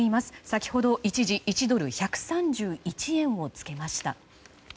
先ほど一時１ドル＝１３１円をつけました。